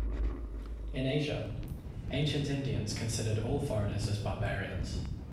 In Asia, ancient Indians considered all foreigners as barbarians.